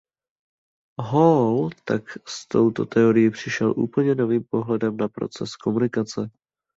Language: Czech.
Hall tak s touto teorií přišel s úplně novým pohledem na proces komunikace.